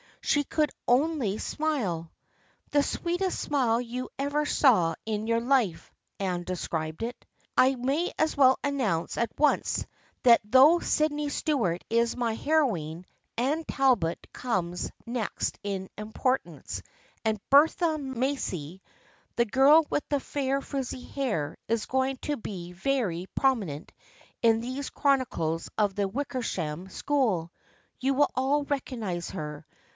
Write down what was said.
She could only smile. " The sweetest smile you ever saw in your life," Anne described it. I may as well announce at once that though Sydney Stuart is my heroine, Anne Talbot comes next in importance, and Bertha Macy, the girl with the fair frizzy hair, is going to be very prominent in these chronicles of the Wickersham School. You will all recognize her.